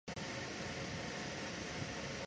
南坛县是越南革命家潘佩珠和胡志明的故乡。